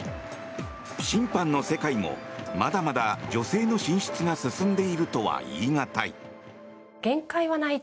審判の世界もまだまだ女性の進出が進んでいるとは言い難い。